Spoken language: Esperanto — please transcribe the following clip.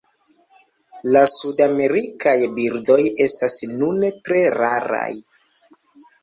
La sudamerikaj birdoj estas nune tre raraj.